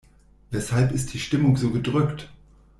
Weshalb ist die Stimmung so gedrückt?